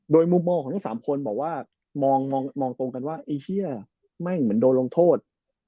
โดยมุมมองของทั้ง๓คนบอกว่ามองตรงกันว่าเอเชียไม่เหมือนโดนลงโทษ